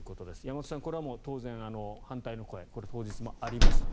山本さん、これは当然、反対の声当日もありました。